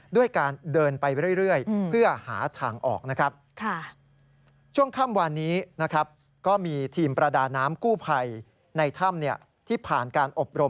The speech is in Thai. ด้วยการเดินไปเรื่อยเพื่อหาทางออกนะครับ